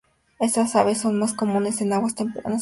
Estas aves son más comunes en aguas templadas y heladas.